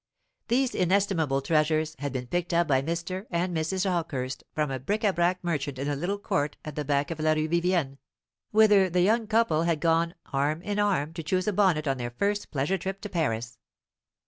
These inestimable treasures had been picked up by Mr. and Mrs. Hawkehurst from a bric à brac merchant in a little court at the back of the Rue Vivienne, whither the young couple had gone arm in arm to choose a bonnet on their first pleasure trip to Paris.